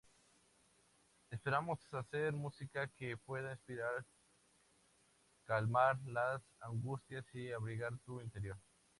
Esperamos hacer música que pueda inspirar, calmar las angustias y abrigar tu interior".